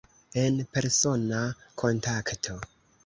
En persona kontakto.